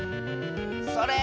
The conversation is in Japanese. それ！